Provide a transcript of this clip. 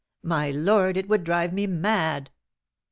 My lord, it would drive me mad!"